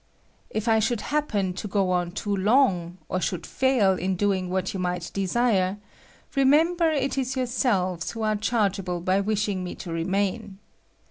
If I should happen to go on too long, or should fail in doing what you might desire, remember it is yourselves who are chargeable by wishing me to remain.